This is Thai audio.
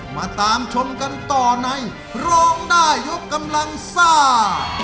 มาตามชมกันต่อในร้องได้ยกกำลังซ่า